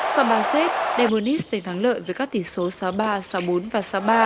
sau ba set de bonis giành thắng lợi với các tỷ số sáu ba sáu bốn và sáu ba